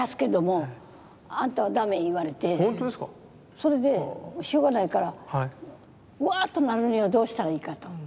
それでしょうがないからわっとなるにはどうしたらいいかと。